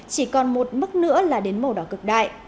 chỉ còn một mức nữa là đến màu đỏ cực đại